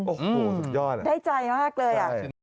โอ้โหสุดยอดได้ใจมากเลยอ่ะ